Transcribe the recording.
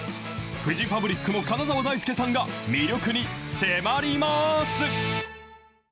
フジファブリックの金澤ダイスケさんが、魅力に迫ります。